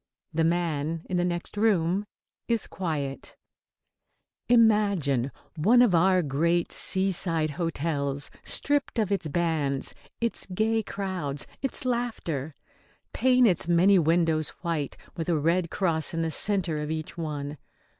The man in the next room is quiet. Imagine one of our great seaside hotels stripped of its bands, its gay crowds, its laughter. Paint its many windows white, with a red cross in the centre of each one.